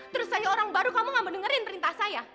terus saya orang baru kamu nggak mendengarin perintah saya